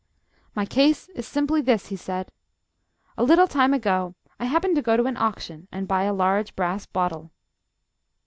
"My case is simply this," he said. "A little time ago I happened to go to an auction and buy a large brass bottle...."